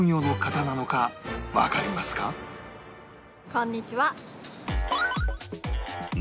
こんにちは。